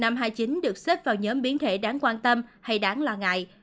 b một một năm trăm hai mươi chín được xếp vào nhóm biến thể đáng quan tâm hay đáng lo ngại